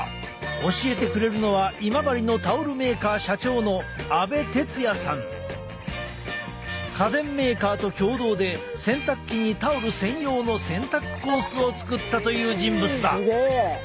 教えてくれるのは今治の家電メーカーと共同で洗濯機にタオル専用の洗濯コースを作ったという人物だ。